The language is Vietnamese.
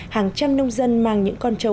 hàng trăm nông dân mang những con châu